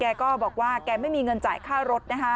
ก็บอกว่าแกไม่มีเงินจ่ายค่ารถนะคะ